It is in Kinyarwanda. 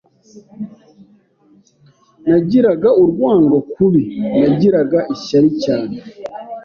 Nagiraga urwango kubi, nagiraga ishyari cyane,